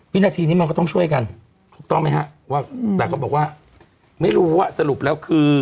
วินาทีนี้มันก็ต้องช่วยกันถูกต้องไหมฮะว่าแต่ก็บอกว่าไม่รู้ว่าสรุปแล้วคือ